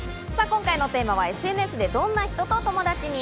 今回のテーマはＳＮＳでどんな人と友達に？